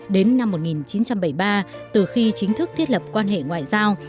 đến năm một nghìn chín trăm bảy mươi ba từ khi chính thức thiết lập quan hệ ngoại giao